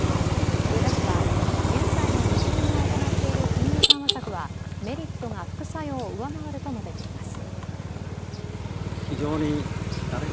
植田氏は現在の日銀が行っている金融緩和策はメリットが副作用を上回ると述べています。